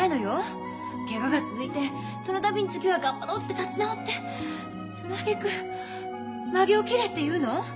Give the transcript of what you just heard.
ケガが続いてその度に次は頑張ろうって立ち直ってそのあげくまげを切れって言うの！？